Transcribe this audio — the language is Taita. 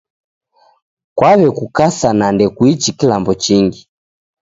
Kwaw'ekukasa na ndekuichi kilambo chingi